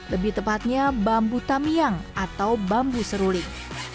lebih tepatnya bambu tamiang atau bambu seruling